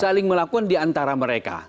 saling melakukan di antara mereka